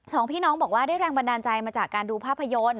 สองพี่น้องบอกว่าได้แรงบันดาลใจมาจากการดูภาพยนตร์